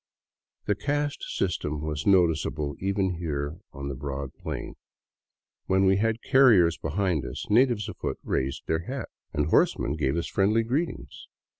The caste system was noticeable even here on the broad plain. When we had carriers behind us, natives afoot raised their hats and horsemen gave us friendly greetings.